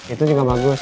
itu juga bagus